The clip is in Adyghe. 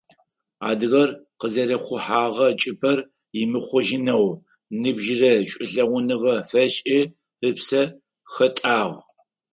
Адыгэр къызэрэхъухьэгъэ чӀыпӀэр ымыхъожьынэу ныбжьырэ шӀулъэгъуныгъэ фешӀы, ыпсэ хэтӀагъ.